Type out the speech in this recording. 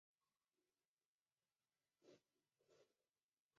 当季惠家康随成都队在艰苦的条件下冲超成功。